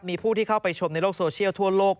มีผู้ที่เข้าไปชมในโลกโซเชียลทั่วโลก